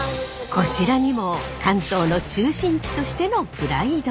こちらにも関東の中心地としてのプライドが。